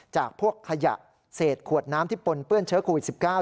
จากพวกขยะเศษขวดน้ำที่ปนเปื้อนเชื้อโควิด๑๙